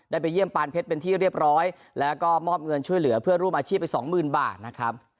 ไปเยี่ยมปานเพชรเป็นที่เรียบร้อยแล้วก็มอบเงินช่วยเหลือเพื่อร่วมอาชีพไปสองหมื่นบาทนะครับ